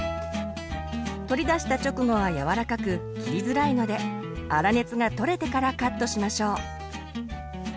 取り出した直後は柔らかく切りづらいので粗熱がとれてからカットしましょう。